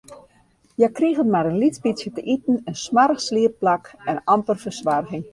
Hja krigen mar in lyts bytsje te iten, in smoarch sliepplak en amper fersoarging.